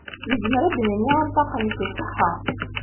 Nezmer ad d-nini anṭaq-nnek iṣeḥḥa.